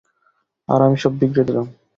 আর আমি সব বিগড়ে দিলাম।